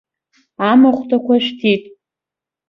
Амахәҭақәа шәҭит!